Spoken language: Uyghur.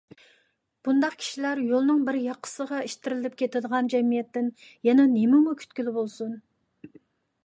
بۇنداق كىشىلەر يولنىڭ بىر ياقىسىغا ئىتتىرىلىپ كىتىدىغان جەمئىيەتتىن يەنە نېمىمۇ كۈتكىلى بولسۇن!